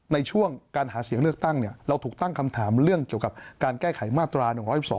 ในช่วงการหาเสียงเลือกตั้งเราถูกตั้งคำถามเรื่องเกี่ยวกับการแก้ไขมาตรา๑๑๒